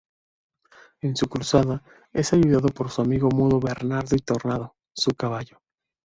En su cruzada es ayudado por su amigo mudo Bernardo y Tornado, su caballo.